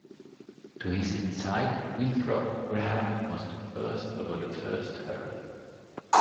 To his inside, Winthrop Graham was the first over the first hurdle.